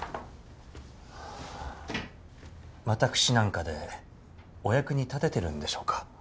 私なんかでお役に立ててるんでしょうか？